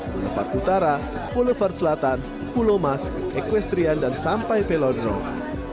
kulepart utara kulepart selatan kulomas ekwestrian dan sampai velodrome